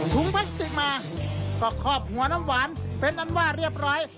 พลาสติกมาก็คอบหัวน้ำหวานเป็นอันว่าเรียบร้อย